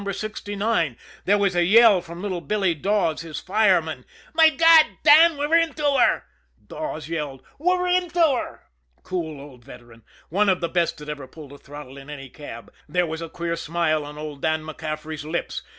69. There was a yell from little Billy Dawes, his fireman. "My God, Dan, we're into her!" Dawes yelled. "We're into her!" Cool old veteran, one of the best that ever pulled a throttle in any cab, there was a queer smile on old Dan MacCaffery's lips.